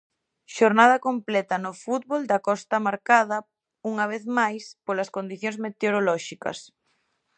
Xornada completa no fútbol da Costa marcada unha vez máis, polas condicións meteorolóxicas.